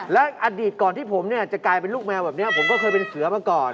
และอดีตก่อนที่ผมเนี่ยจะกลายเป็นลูกแมวแบบนี้ผมก็เคยเป็นเสือมาก่อน